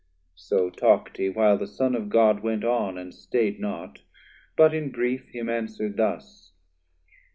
So talk'd he, while the Son of God went on And staid not, but in brief him answer'd thus.